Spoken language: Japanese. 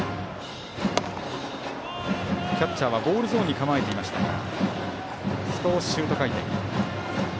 キャッチャーはボールゾーンに構えていましたが少しシュート回転。